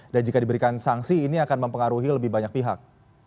dan jika diberikan sanksi ini akan mempengaruhi lebih banyak pihak